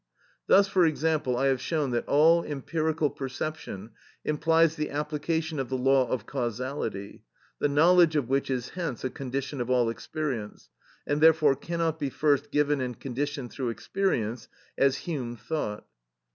Thus, for example, I have shown that all empirical perception implies the application of the law of causality, the knowledge of which is hence a condition of all experience, and therefore cannot be first given and conditioned through experience as Hume thought.